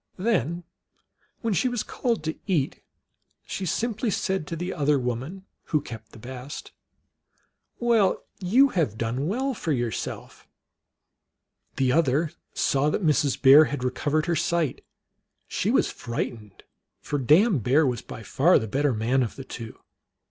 Then, when she was called to eat, she simply said to the other woman, who kept the best, " Well, you have done well for yourself !" The other saw that Mrs. Bear had recovered her sight. She was frightened, for Dame Bear was by far the better man of the two.